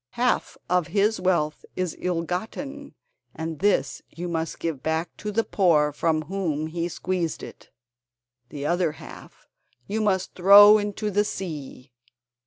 Half of his wealth is ill gotten, and this you must give back to the poor from whom he squeezed it. The other half you must throw into the sea.